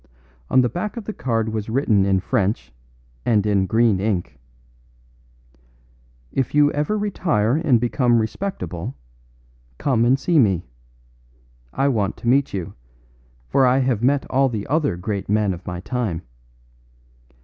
On the back of the card was written in French and in green ink: "If you ever retire and become respectable, come and see me. I want to meet you, for I have met all the other great men of my time.